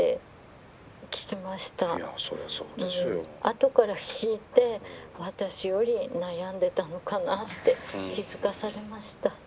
後から聞いて私より悩んでたのかなって気付かされました。